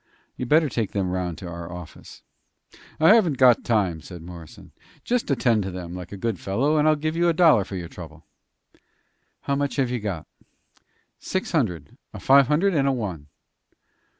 "You'd better take them round to our office." "I haven't got time," said Morrison. "Just attend to them, like a good fellow, and I'll give you a dollar for your trouble." "How much have you got?" "Six hundred a five hundred and a one."